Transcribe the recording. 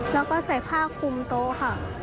แล้วก็ใส่ผ้าคุมโต๊ะค่ะ